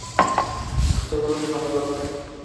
বুঝতে পেরেছ আমার কথা?